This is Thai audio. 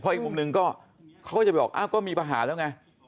เพราะอีกมุมนึงก็เขาก็จะบอกก็มีประหารแล้วไง